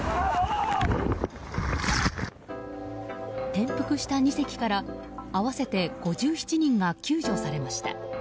転覆した２隻から合わせて５７人が救助されました。